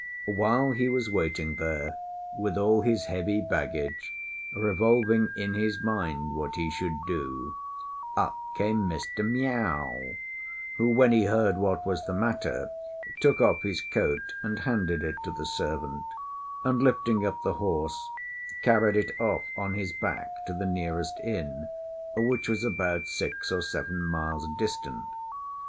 While he was waiting there with all his heavy baggage, revolving in his mind what he should do, up came Mr. Miao; who, when he heard what was the matter, took off his coat and handed it to the servant, and lifting up the horse, carried it off on his back to the nearest inn, which was about six or seven miles distant.